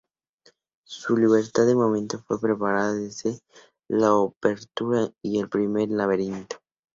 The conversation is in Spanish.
Su libertad de movimiento fue preparada desde la obertura y el "primer laberinto".